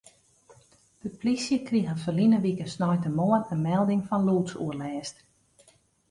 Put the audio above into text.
De plysje krige ferline wike sneintemoarn in melding fan lûdsoerlêst.